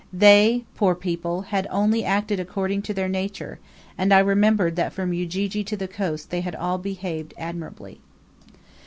They, poor people, had only acted according to their nature, and I remembered that from Ujiji to the coast they had all behaved admirably.